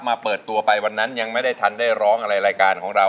เปิดตัวไปวันนั้นยังไม่ได้ทันได้ร้องอะไรรายการของเรา